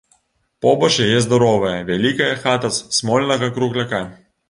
Побач яе здаровая, вялікая хата з смольнага кругляка.